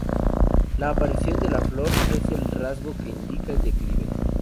La aparición de la flor es el rasgo que indica el declive.